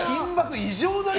異常だよ。